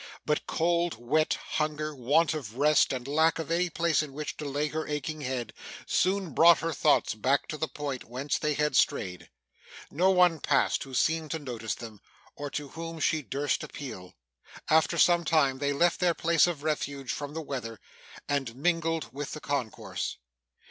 But cold, wet, hunger, want of rest, and lack of any place in which to lay her aching head, soon brought her thoughts back to the point whence they had strayed. No one passed who seemed to notice them, or to whom she durst appeal. After some time, they left their place of refuge from the weather, and mingled with the concourse.